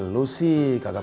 lo sih kagak pakai santan ya